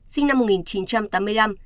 sinh năm một nghìn chín trăm tám mươi năm